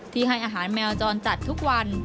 ให้อาหารแมวจรจัดทุกวัน